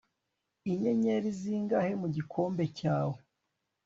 Inyenyeri zingahe mu gikombe cyawe